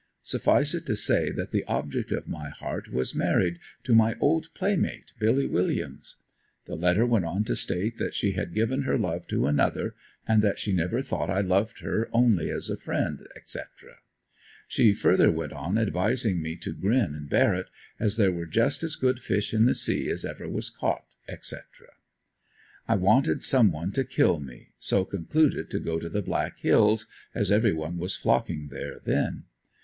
Suffice it to say that the object of my heart was married to my old playmate Billy Williams. The letter went on to state that she had given her love to another and that she never thought I loved her only as a friend, etc. She furthermore went on advising me to grin and bear it, as there were just as good fish in the sea as ever was caught etc. I wanted some one to kill me, so concluded to go to the Black hills as everyone was flocking there then.